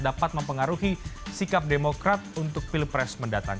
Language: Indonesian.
dapat mempengaruhi sikap demokrat untuk pilpres mendatang